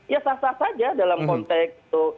ya sah sah saja dalam konteks itu